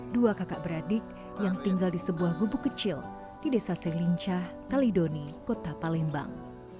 dua kakak beradik yang tinggal di sebuah gubuk kecil di desa selincah kalidoni kota palembang